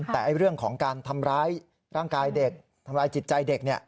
แต่เรื่องของการทำร้ายร่างกายเด็กทำร้ายจิตใจเด็ก